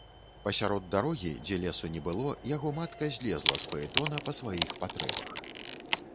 Пасярод дарогі, дзе лесу не было, яго матка злезла з фаэтона па сваіх патрэбах.